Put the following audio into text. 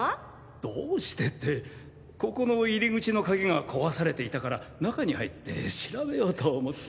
どうしてってここの入り口の鍵が壊されていたから中に入って調べようと思って。